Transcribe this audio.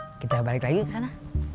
ayo kita balik lagi ke sana